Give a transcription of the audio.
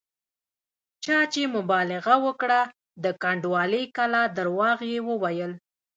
چا چې مبالغه وکړه د کنډوالې کلا درواغ یې وویل.